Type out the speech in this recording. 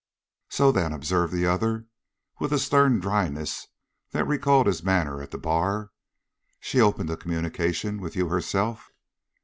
"So then," observed the other, with a stern dryness that recalled his manner at the bar, "she opened a communication with you herself?"